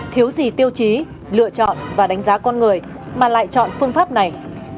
thiếu gì tiêu chí lựa chọn và đánh giá con người mà lại chọn phương pháp này